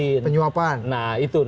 mereka mem dries juga jadi kesimpulan